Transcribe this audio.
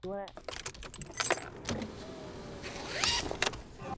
在沙漠之中的甘泉也被饮尽